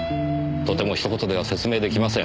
とても一言では説明出来ません。